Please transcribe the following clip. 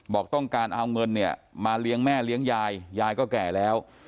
บอกต้องการเอาเงินเนี่ยมาเลี้ยงแม่เลี้ยงยายยายก็แก่แล้ว